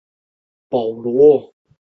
伊犁小檗是小檗科小檗属的植物。